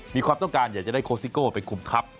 มีความต้องการอยากจะได้โคสิโก้ไปคุมทัพ